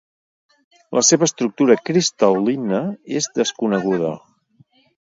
La seva estructura cristal·lina és desconeguda.